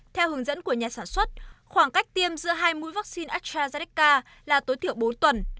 theo hướng dẫn của nhà sản xuất khoảng cách tiêm giữa hai mũi vaccine astrazika là tối thiểu bốn tuần